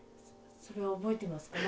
それは覚えていますか？